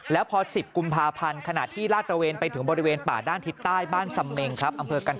แล้วพอ๑๐กุมภาพันธ์ขณะที่ลาดตระเวนไปถึงบริเวณป่าด้านทิศใต้บ้านสำเมงครับ